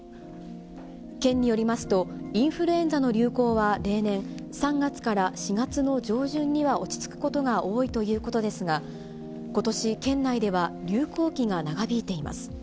県によりますとインフルエンザの流行は例年、３月から４月の上旬には落ち着くことが多いということですが、ことし、県内では流行期が長引いています。